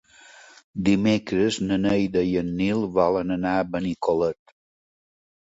Dimecres na Neida i en Nil volen anar a Benicolet.